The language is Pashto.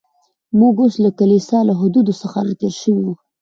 موږ اوس د کلیسا له حدودو څخه را تېر شوي و.